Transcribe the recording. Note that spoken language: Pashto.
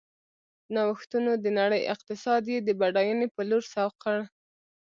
نوښتونو د نړۍ اقتصاد یې د بډاینې په لور سوق کړ.